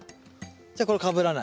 じゃこれかぶらない。